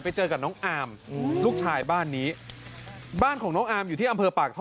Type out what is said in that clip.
ไปเจอกับน้องอามลูกชายบ้านนี้บ้านของน้องอาร์มอยู่ที่อำเภอปากท่อ